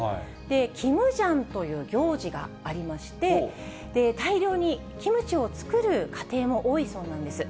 キムジャンという行事がありまして、大量にキムチを作る家庭も多いそうなんです。